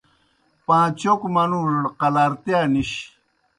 پاں چوکوْ منُوڙوْڑ قلارتِیا نِش۔